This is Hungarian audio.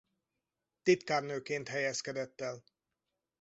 Titkárnőként helyezkedett el.